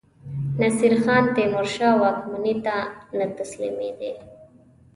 نصیرخان تیمورشاه واکمنۍ ته نه تسلیمېدی.